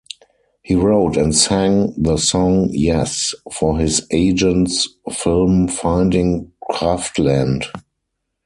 He wrote and sang the song "Yes" for his agent's film "Finding Kraftland.